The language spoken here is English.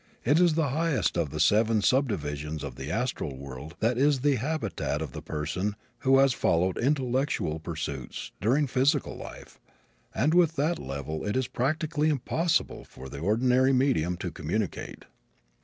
It is the highest of the seven subdivisions of the astral world that is the habitat of the person who has followed intellectual pursuits, during physical life, and with that level it is practically impossible for the ordinary medium to communicate.